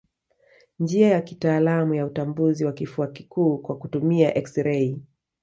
Njia ya kitaalamu ya utambuzi wa kifua kikuu kwa kutumia eksirei